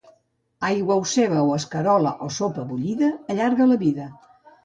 Aigua o ceba, o escarola, o sopa bullida allarga la vida.